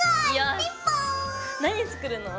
何作るの？